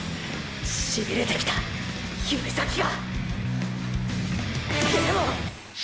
しびれてきた指先がでも！！